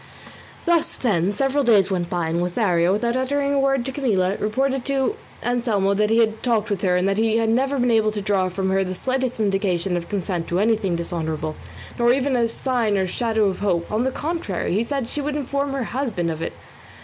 Thus, then, several days went by, and Lothario, without uttering a word to Camilla, reported to Anselmo that he had talked with her and that he had never been able to draw from her the slightest indication of consent to anything dishonourable, nor even a sign or shadow of hope; on the contrary, he said she would inform her husband of it.